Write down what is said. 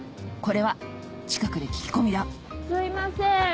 これは近くで聞き込みだすいません